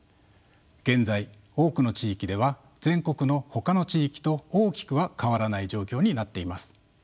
現在多くの地域では全国のほかの地域と大きくは変わらない状況になっています。